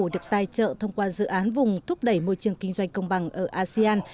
được tài trợ thông qua dự án vùng thúc đẩy môi trường kinh doanh công bằng ở asean